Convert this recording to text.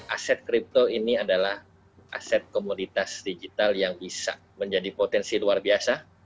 aset kripto ini adalah aset komoditas digital yang bisa menjadi potensi luar biasa